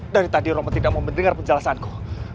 dari tadi romo tidak mau mendengar penjelasanku